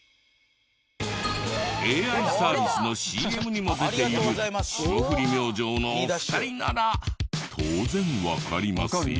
ＡＩサービスのＣＭにも出ている霜降り明星のお二人なら当然わかりますよね？